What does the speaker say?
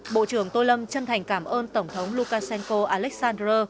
bộ trưởng tô lâm chân thành cảm ơn tổng thống lukashenko alessandro